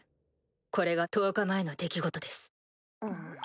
これが１０日前の出来事です。